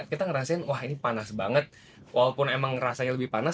kita ngerasain wah ini panas banget walaupun emang rasanya lebih panas